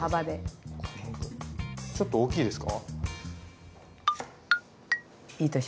ちょっと大きいですか？